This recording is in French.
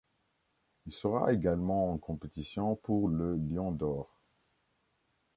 Il sera également en compétition pour le Lion d'or.